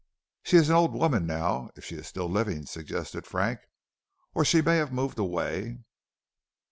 "She is an old woman now, if she is still living," suggested Frank. "Or she may have moved away."